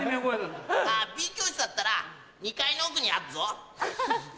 Ｂ教室だったら２階の奥にあっぞ！